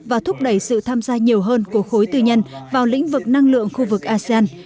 và thúc đẩy sự tham gia nhiều hơn của khối tư nhân vào lĩnh vực năng lượng khu vực asean